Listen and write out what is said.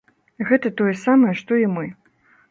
Гэта тое самае, што і мы.